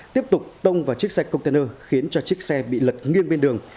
tiếp tục tông vào chiếc xe container khiến cho chiếc xe bị lật nghiêng bên đường